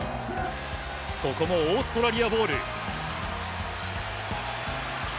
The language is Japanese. ここもオーストラリアボール。